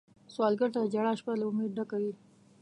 سوالګر ته د ژړا شپه له امید ډکه وي